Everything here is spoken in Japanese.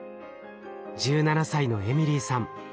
１７歳のエミリーさん